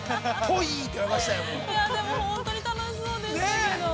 ◆いやでも、本当に楽しそうでしたけど。